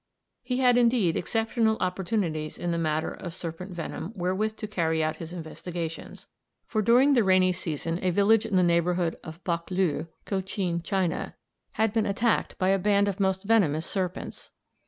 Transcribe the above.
He had, indeed, exceptional opportunities in the matter of serpent venom wherewith to carry out his investigations, for during the rainy season a village in the neighbourhood of Bac Lieu (Cochin China) had been attacked by a band of most venomous serpents.